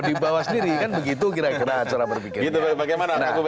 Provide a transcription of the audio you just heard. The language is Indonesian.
di bawah sendiri kan begitu kira kira cara berpikirnya